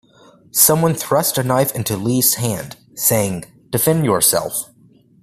Someone thrust a knife into Lee's hand, saying, Defend yourself!